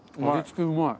うまい。